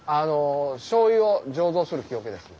しょうゆを醸造する木桶ですね。